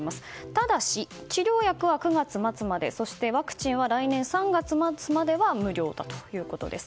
ただし、治療薬は９月末まで、そしてワクチンは来年３月末までは無料ということです。